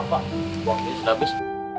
bapak waktu sudah habis